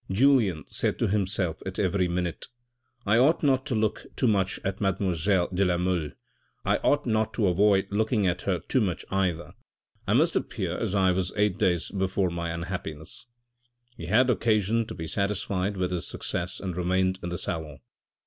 Julien said to himself at every minute, " I ought not to look too much at mademoiselle de la Mole, I ought not to avoid looking at her too much either. I must appear as I was eight days before my unhappiness " He had occasion to be satisfied with his success and remained in the salon.